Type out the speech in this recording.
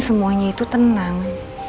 semuanya itu tenang